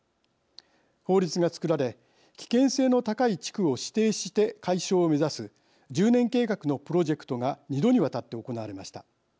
法律が作られ危険性の高い地区を指定して解消を目指す１０年計画のプロジェクトが２度にわたって行われました。